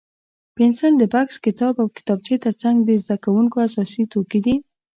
پنسل د بکس، کتاب او کتابچې تر څنګ د زده کوونکو اساسي توکي دي.